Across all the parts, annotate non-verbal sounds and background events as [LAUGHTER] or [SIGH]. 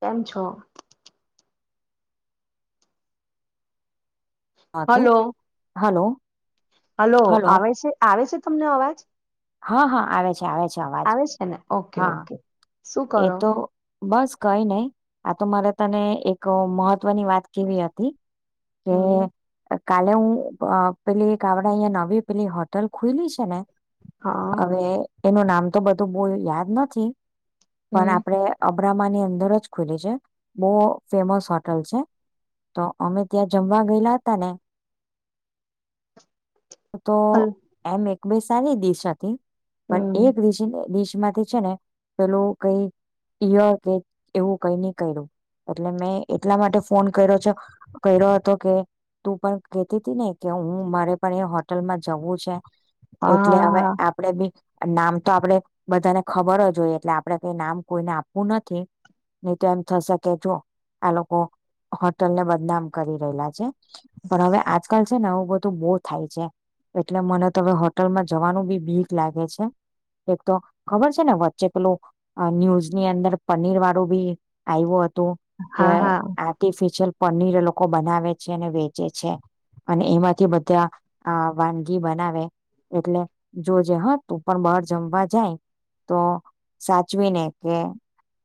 કેમ છો. હ તું હલો હલો. હલો આવે છે આવે છે. તમને અવાજ. હ હા આવે છે આવે છે. અવાજ આવે છે ને ઓકે હા ઓકે શું એ કરો? તો બસ કઈ નહી, આ તો મારે તને એક મહત્વ મહત્વની વાત કેવી હતી કે હમ કાલે હું પેલી કાવળા અહિયાયા નવી પેલી હોટલ ખુલી છે ને. હા હવે એનું નામ? તો બધું બવ યાદ નથી. પણ હમ આપડે આપરામાની અંદર જ ખુલી છે, બહુ ફેમસ હોટલ છે, તો અમે ત્યાં જમવા ગયેલા હતા ને. તો હલ એમ એક બઈ સારી દિશ હતી પણ હમ એક દિશી ન દિશ તેમાથી છે ને પેલું કઈ ય કે એવું કઈ ની કયરુ એટલે મેં એટલા માટે ફોન કયરો છે કયરો હતો કે તું પણ કેતી તી ને કે હું મારે પણ એ હોટલમાં જવું છે. હા એટલે હવે હા હા આપડે ભી નામ તો આપડે બધાને ખબર જ હોઈ એટલે આપડે કઈ નામ કોઈને આપવું નથી, નહી તો એમ થશે કે જો આ લોકો હોટલને બદનામ કરી રહેલા છે પણ હવે આજકાલ છે ને આવું બધું બધુ બો થાય છે એટલે મને તો હવે હોટલમાં જવાનું બી બીક લાગે છે એક તો ખબર છે ને વચ્ચે પેલું ન્યૂઝની અંદર પનીરવાળું બી આયવુ તો હા હા આર્ટિફિશિયલ પનીર લોકો બનાવે છે ને વેચે છે અને એમાંથી બધા આ વાનગી બનાવે, એટલે જો જે તું પણ બહાર જમવા જાય તો સાચવીને કે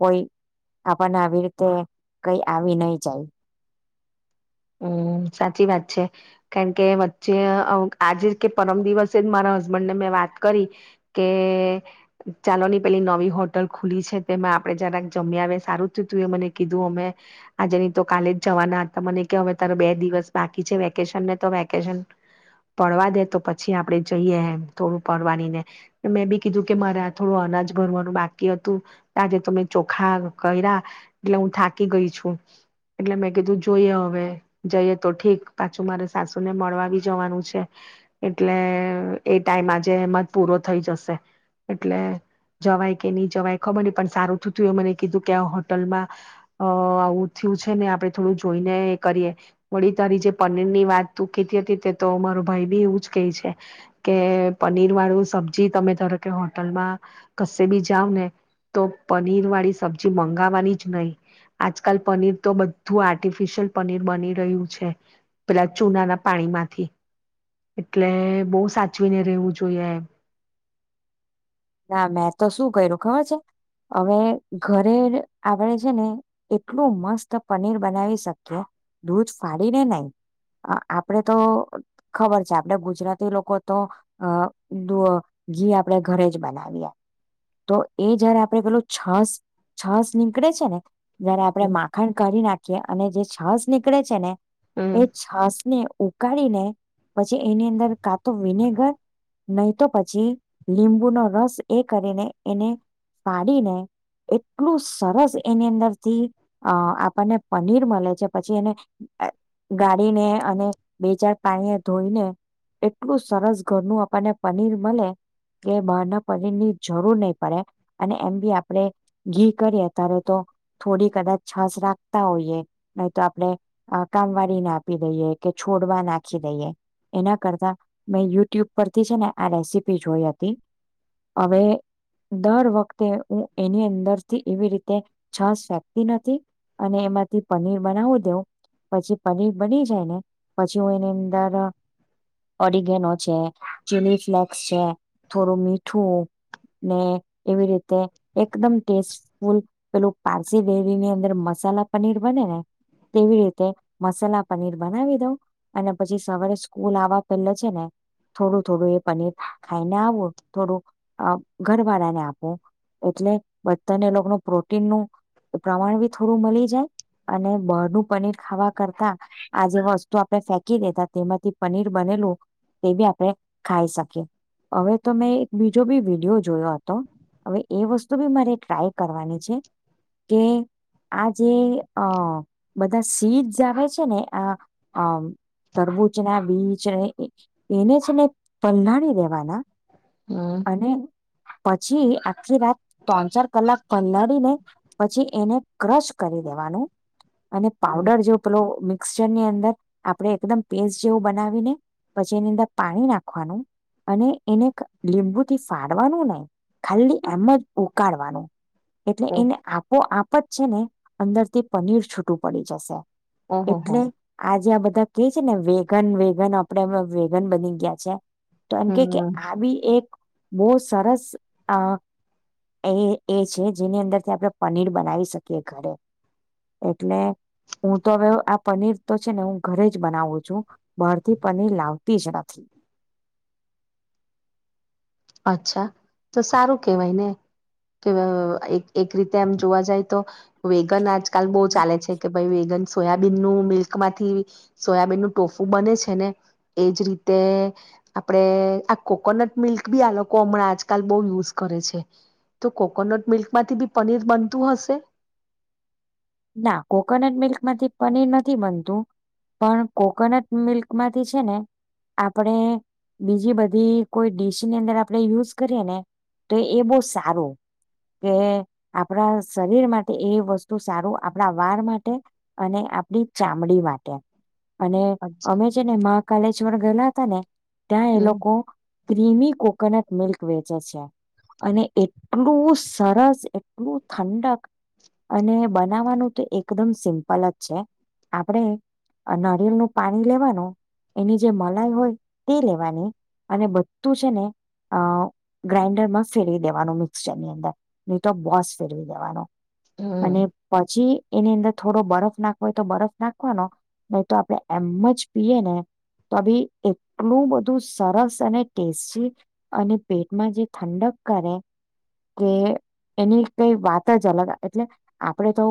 કોઈ આપણને આવી રીતે કઈ આવી નહી જાય. હમ્મ, સાચી વાત છે કારણ કે વચ્ચે અ આજે જ કે પરમ દિવસે જ મારા હસબન્ડ ને મેં વાત કરી કે ચાલોની પેલી નવી હોટલ ખુલી છે તેમાં આપડે જરાક જમ્યા આવે સારું થયું તુંએ મને કીધું અમે આજે ની તો કાલે જ જવાના હતા મને હવે તારે બે દિવસ બાકી છે વેકેશનને તો વેકેશન પડવા દે. તો પછી આપડે જઈએમ થોડું પડવાની ને મેં બી કીધું કે મારે થોડું અનાજ ભરવાનું બાકી હતું. આજે તો મેં ચોખા કર્યા એટલે હું થાકી ગઈ છું, એટલે મેં કીધું જોઈએ હવે જઈએ તો ઠીક પાછું મારે સાસુ ને મળવા બી જવાનું છે એટલે અ એ ટાઈમ આજે એમાં જ પૂરો થઈ જશે એટલે જવાય કે ની જવાય ખબર નહ પણ સારું થું થયું તુએ મને કીધું કે આ હોટલમાં અ આવું થયું છે ને આપણે થોડું જોઈને કરીએ, વળી તારી જે પનીર ની વાત ત કીતી હતી તે તો મારો ભાઈ બી એવું જ કહે છે, કે પનીર વાળું સબ્જી તમે ધાર કે હોટલમાં, કસે બી જાાવ ને તો પનીર વાળી સબ્જી મંગાવવાની જ નહીં, આજકાલ પનીર તો બધું આર્ટિફિશિયલ પનીર બની રહ્યું છે, પેલા ચૂનાના પાણી માંથી, એટલે બવ સાચવીને રહેેવું જોઈએ એમ. ના મેં તો શું કર્યું ખબર છે, હવે ઘરે આપડે છે ને, એટલું મસ્ત પનીર બનાવી શકીએ, દૂધ ફાડીને નઈ, આપડે તો ખબર છે આપડે ગુજરાતી લોકો તો, ઘી આપડે ઘરે બનાવીએ, તો એ જયારે આપે પેલું છસ છસ નીકળે છે ને. જયારે આપણે માખણ કરીને કે અને જે છાસ નીકળે છે ને. એ હમ છાસને ઉકાળીને પછી એની અંદર કા તો વિનેગર નહી તો પછી લીંબુનો રસ એ કરીને એને ફાડીને એટલું સરસ એની અંદર થી અ આપણને પનીર મળે છે પછી એને, ગાળીને અને બે ચાર પાણી એ ધોઈને, એટલું સરસ ઘરનું આપણને પનીર મળે કે બ પનીર ની જરૂર નહી પડે, અને એમ બી આપણે ઘી કરીએ ત્યારે તો, થોડી કદાચ છાશ રાખતા હોઈએ, નહી તો આપણે કામવાળીને આપી દઈએ કે છોડવા નાખી દઈએ, એના કરતા મેં યુટ્યુબ પરથી છે ને આ રેસીપી જોઈ હતી. અવે દર વખતે હું એની અંદરથી એવી રીતે છાશ ફેંકતી નથી અને એમાંથી પનીર બનાવું દેઉં પછી પનીર બની જાય ને પછી હું એની અંદર ઓરિગેનો છે ચીલી ફ્લેક્સ છે થોડું મીઠ મીઠું ને એવી રીતે એકદમ ટેસ્ટફુલ પેલું પારસી ડેરીની અંદર મસાલા પનીર બને ને તેવી રીતે મસાલા પનીર બનાવી દઉં અને પછી સવારે સ્કૂલ આવવા પહેલે છે ને થોડું-થોડું એ પનીર ખાઈને આવો. થોડું અ.. ઘર વાળાને આપો એટલે બધાને લોકોનું પ્રોટીનનુંું પ્રમાણ બી થોડું મળી જાય, અને બહરનું પનીર ખાવા કરતા આ જે વસ્તુ આપણે ફેંકી દેતા તેમાંથી પનીર બનેલું તે બી આપણે ખાઈ શકીએ હવે તો મેં બીજો બી વિડીયો જોયો હતો હવે એ વસ્તુ બી મારે ટ્રાય કરવાની છે કે આ જે અ બધા સીડસ આવે છે ને આ અમ તરબૂચના બીચને એને છે ને પલલાડી દેવાના. હમ અને પછી આખલી રાત ત્રણ ચાર કલાક પલાળીને પછી એને ક્રશ કરી દેવાનું. અને હમ પાવડર જેવો પેલો મિક્ષચરની અંદર આપણે એકદમ પેસ્ટ જેવું બનાવીને પછી એની અંદર પાણી નાખવાનું અને એને લીંબુથી ફાડવાનું નહી ખાલી એમ જ ઉકાળવાનું. એટલે ઓહ એને આપોઆ. ત છેને અંદર થી પનીર છૂટું પડી જશે. ઓહો હો એટલે આજે આ બધા કેય છે ને વેગન-વેગન આપડે એ વેગન બની ગયા છે. તો એમ કે-કે હમ આ બી બો સરસ અ એ એ છે જેની અંદરથી આપણે પનીર બનાવી શકીએ ઘરે એટલે હું તો હવે આ પનીર તો છે ને હું ઘરે જ બનાવું છું બહારથી પનીર લાવતી જ નથી. અચ્છા તો સારું કેહેવાય ને કે વ એક-એક રીતે એમ જોવા જાય તો. વેગન આજકાલ બહુ ચાલે કે ભઈ વેગન સોયાબીન નું મિલ્ક માંથી સોયાબીનનું ટોફું બને છે ને એજ રીતે આપડે આ કોકોનટ મિલ્ક બી આ લોકો હમણાં આજકાલ બહુ યુઝ કરે છે તો કોકોનટ મિલ્કમાંથી બી પનીર બનતું હશે. ના કોકોનટ મિલ્ક માંથી પનીર નથી બનતું પણ કોકોનટ મિલ્કમાંથી છે ને આપણે બીજી બધી કોઈ ડીશની અંદર આપણે યુઝ કરીએ ને તો એ બહુ સારું કે આપણા શરીર માટે એ વસ્તુ સારું. આપણા વાર માટે અને આપડી ચામડી માટે. અને અચ્છા. અમે છે ને મા કોલેજ વાલા ગયેલા હતા ને ત્યાં એ હમ લોકો ક્ર્રીમી કોકોનટ મિલ્ક વેચે છે અને એટલું સરસ એટલું ઠંડક અને બ બનાવવાનું તો એકદમ સિમ્પલ જ છે. આપણેે નળિયેલનું પાણી લેવાનું. એની જે મલાઈ હોય તે લેવાની. અને બધું છે ને અ ગ્રાઈન્ડરમાં ફેરવી દેવાનું મિક્સચરની અંદર. નહી તો બોસ ફેરવી દેવાનો. અને હમ. પછી એની અંદર થોડો બરફ નાખવો હોય તો બરફ નાખવાનો નહી તો આપણે એમ જ પીએ ને તો ભી એટલું બધું સરસ અને ટેસ્ટી અને પેટમાં જે ઠંડપ કરે કે એની કઈ વાત જ અલગ એટલે આપડે તો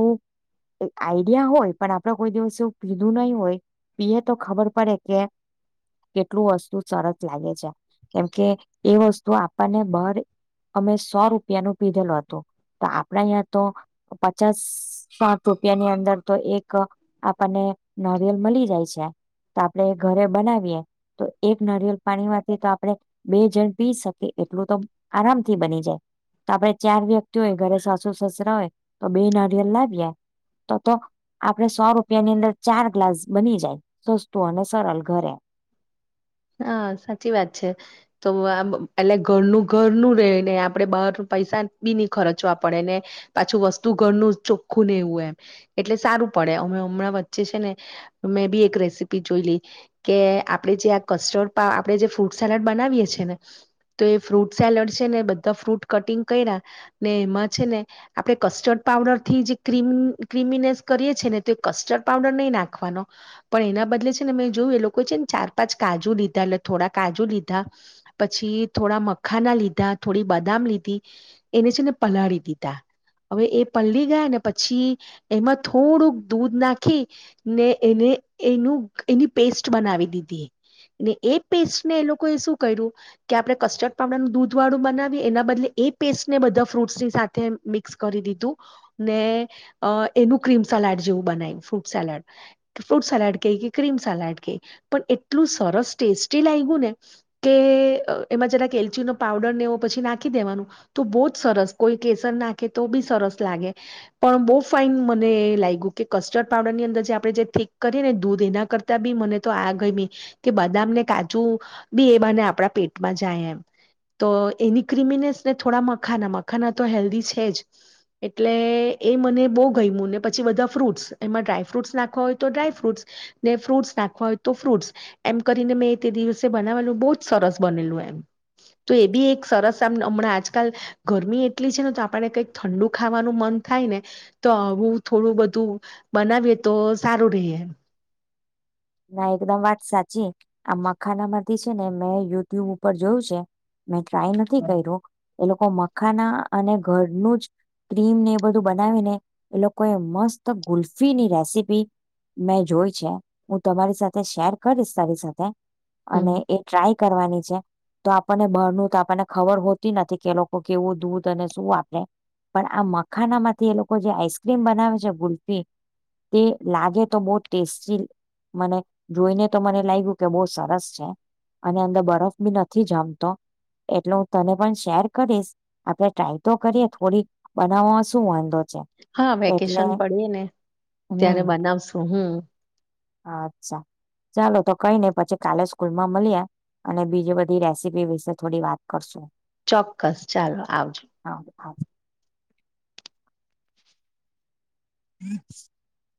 એ આઈડિયા હોય પણ આપડે કોઈ દિવસે એવું પીધું નહી હોય પીએ તો ખબર પડે કે કેટલું વસ્તુ સરસ લાગે છે કેમકે એ વસ્તુ આપણને બાહર અમે સો રૂપિયા નું પીધેલું હતું તો આપડા અહીંયા તો પચાસ સાઠ રૂપિયાની અંદર તો એક આપણને નરિયલ મળી જાય છે તો આપણેે ઘરે બનાવીએ તો એક નારિયલ પાણી માંથી તો આપણે બે જણ પી શકીએ એટલું તો આરામથી બની જાય તો આપણે ચાર વ્યક્તિ હોય ઘરે સાસુ સસરા હોય તો બે નારિયેલ લાવ્યા તો-તો આપડે સો રૂપિયાની અંદર ચાર ગ્લાસ બની જાય સસ્તું અને સરલ ઘરે. હા સાચી વાત છે. તો આમ એટલે ઘરનું ઘરનું રે ને આપડે બહાર પૈસા બી ન ખર્ચવા પડે ને પાછું વસ્તુ ઘરનું ચોખ્ખું નેવું હોય એમ. એટલે સારું પડે અમે હમણાં વચ્ચે છે ને મેં બી એક રેસીપી જોઈ લી કે આપડે જે કસ્ટર્ડ પા આપણે જે ફ્રૂટ સલાડ બનાવીએ છે ને તો એ ફ્રૂટ સેલડ છે ને બધા ફ્રૂટ કટિંગ કયરા ને એમાં છે ને આપડે કસ્ટર્ડ પાવડરથી જે ક્રીમ ક્ર્રીમીનેસ કરીએ છે ને તો એ કસ્ટર્ડ પાવડર નહી નાખવાનો પણ એના બદલે છે ને મેં જોયું એ લોકો છે ને ચાર પાંચ કાજુ લીધા એટલે થોડા કાજુ લીધા પછી થોડા મખાના લીધા થોડી બદામ લીધી એને છે ને પલાળી દીધા હવે એ પલળી ગયા ને પછી એમાં થોડુંક દૂધ નાખી ને એને એનું એની પેસ્ટ બનાવી દીધી. ને એ પેસ્ટને એ લોકોએ શું કર્યું કે આપણે કસ્ટર્ડ પાવડર નુ દૂધ વાળું બનાવીએ એના બદલે એ પેસ્ટને બધા ફ્રૂટસની સાથે મિક્સ કરી દીધું. ને અહ એનું ક્રીમ સલાડ જેવું બનાવ્યું ફ્રૂટ સલાડ. ફ્રૂટ સલાડ કહી કે ક્રીમ સલાડ કહી પણ એટ એટલું સરસ ટેસ્ટી લાયગુ ને કે અ એમાં જરા કે એલચીનો પાવડર ને એવો પછી નાખી દેવાનું તો બહુ જ સરસ કોઈ કેસર નાખે તો બી સરસ લાગે પણ બહુ ફાઈન મને લાયગુ કે કસ્ટર્ડ પાવડર ની અંદર જે આપણે જે થીક કરીએ ને દૂધ એના કરતાં બી મને તો આ ગી કે બદામ ને કાજુ બી એ બને આપણા પેટમાં જાય એમ તો એની ક્રિમીનેસ ને થોડા મખાના મખાના તો હેલ્ધી છે જ એટલે એ મને બહ ગઈમું ને પછી બધા ફ્રૂટસ એમાં ડ્રાયફ્રૂટ્સ નાખવા હોય તો ડ્રાયફ્રૂટ ને ફ્રૂટ્સ નાખવા હોય તો ફ્રૂટસ. એમ કરીને મેં તે દિવસે બનાવેલું બહુ જ સરસ બનેલું એમ. તો એ બી એક સરસ આમ હમણાં આજકાલ ગરમી એટલી છે ને તો આપણે કંઈક ઠંડુ ખાવાનું મન થાય ને તો આવું થોડું બધું બનાવીએ તો સારું રહી એમ. ના એકદમ વાત સાચી આ મખાના માંથી છે ને મેં યુટ્યુબ ઉપર જોયું છે. મેં ટ્રાય નથી કયરૂ એ લોકો મખાના અને ઘરનું જ ક્રીમને એ બધું બનાવીને એ લોકોએ મસ્ત ગુલ્ફીની રેસીપી મેં જોઈ છે. હું તમારી સાથે શેર કરીશ તારી સાથે. અને હમ એ ટ્રાય. કરવાની છે, તો આપણને બરનું તો આપણને ખબર હોતી નથી કે એ લોકો કેવું દૂધ અને શું વાપરે પણ આ મખાના માંથી એ લોકો જે આઈસ્ક્રીમ બનાવે છે, ગુલ્ફી તે લાગે તો બહ ટેસ્ટી. મને જોઈને તો મને લાગ્યું કે બહુ સરસ છે અને અંદર બરફ બી નથી જમતો એટલે હું તને પણ શેર કરીશ આપડે ટ્રાય તો કરીએ થોડી બનાવવામાં શું વાંધો. છે હા એટલે વેકેશન પડી ને હમ ત્યારે બનાવશું હું. અચ્છા ચાલો તો કઈ નને પછી કાલે સ્કૂલ માં મળી્યા અને બીજી બધી રેસીપી વિશે થોડી વાત કરશું. ચોક્કસ ચાલો આવજો. હા હા [INAUDIBLE]